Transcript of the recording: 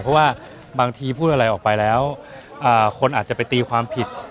เพราะว่าบางทีพูดอะไรออกไปแล้วคนอาจจะไปตีความผิด